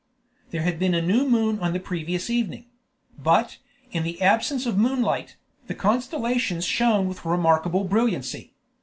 There had been a new moon on the previous evening; but, in the absence of moonlight, the constellations shone with remarkable brilliancy.